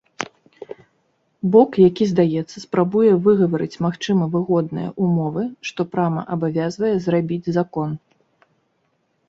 Бок, які здаецца, спрабуе выгаварыць магчыма выгодныя ўмовы, што прама абавязвае зрабіць закон.